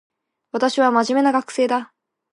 私は真面目な学生だ